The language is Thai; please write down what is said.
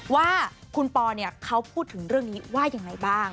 ว่าคุณปอเขาพูดถึงเรื่องนี้ว่ายังไงบ้าง